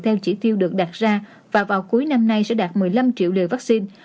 theo chỉ tiêu được đặt ra và vào cuối năm nay sẽ đạt một mươi năm triệu liều vaccine